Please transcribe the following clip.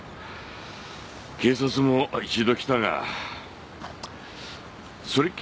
警察も一度来たがそれっきりだ。